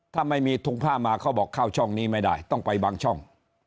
ถ้าไม่มีถุงผ้ามาเขาบอกเข้าช่องนี้ไม่ได้ต้องไปบางช่อง